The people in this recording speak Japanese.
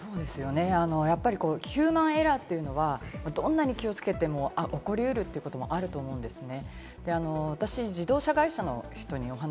やっぱりヒューマンエラーというのは、どんなに気をつけても起こりうるということもあると思うんですね。